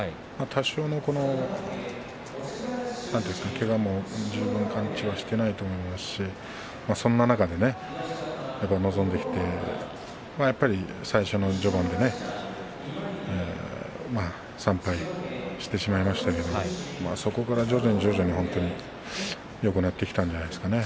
多少のけがも十分完治はしていないと思いますしそんな中で臨んできてやっぱり最初の序盤でね３敗してしまいましたけれどもそこから徐々に徐々によくなってきたんじゃないですかね。